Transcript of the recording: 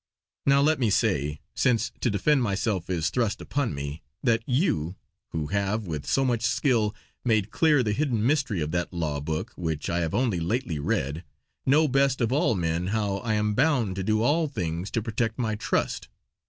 Now let me say, since to defend myself is thrust upon me, that you, who have, with so much skill made clear the hidden mystery of that law book which I have only lately read, know best of all men how I am bound to do all things to protect my trust.